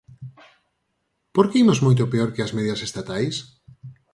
¿Por que imos moito peor que as medias estatais?